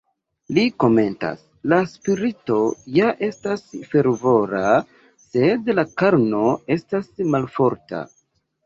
Li komentas: "La spirito ja estas fervora, sed la karno estas malforta".